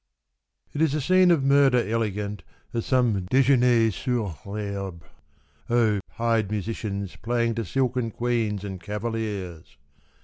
It is a scene of murder elegant as Some Dejeuner sur THerbe : (Oh, pied musicians Playing to silken queens and cavaliers